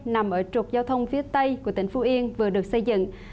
nằm ở trục giao thông phía tây của tỉnh phú yên vừa được xây dựng